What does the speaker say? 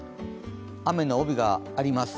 雨の帯があります。